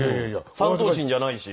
３頭身じゃないし。